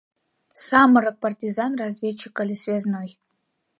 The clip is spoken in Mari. Самырык партизан, разведчик але связной.